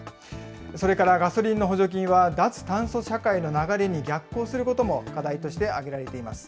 それからガソリンの補助金は、脱炭素社会の流れに逆行することも課題として挙げられています。